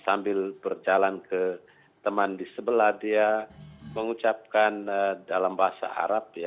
sambil berjalan ke teman di sebelah dia mengucapkan dalam bahasa arab